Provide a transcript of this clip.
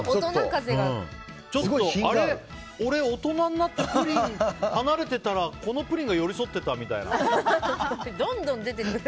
あれ、俺大人になってプリンに離れてたらこのプリンが寄り添ってたみたいな。